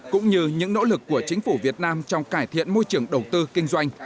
cũng như những nỗ lực của chính phủ việt nam trong cải thiện môi trường đầu tư kinh doanh